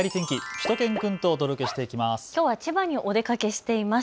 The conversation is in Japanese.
しゅと犬くんとお届けしていきます。